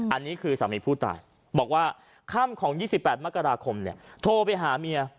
อันนี้คือสามีผู้ตายบอกว่าค่ำของ๒๘มกราคมโทรไปหาเมีย